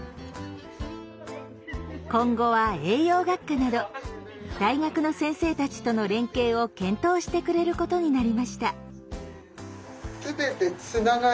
今後は栄養学科など大学の先生たちとの連携を検討してくれることになりました。